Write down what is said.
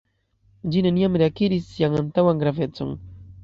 Ĝi neniam reakiris sian antaŭan gravecon.